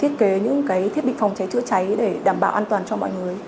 thiết kế những cái thiết bị phòng cháy chữa cháy để đảm bảo an toàn cho mọi người